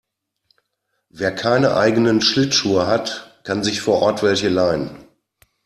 Wer keine eigenen Schlittschuhe hat, kann sich vor Ort welche leihen.